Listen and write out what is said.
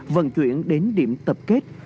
vận chuyển đến điểm tập kết